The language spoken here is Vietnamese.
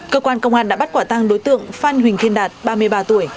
cơ quan công an đã bắt quả tăng đối tượng phan huỳnh thiên đạt ba mươi ba tuổi